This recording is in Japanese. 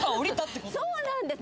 そうなんです。